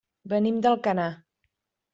Venim d'Alcanar.